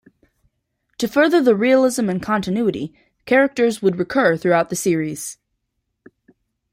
To further the realism and continuity, characters would recur throughout the series.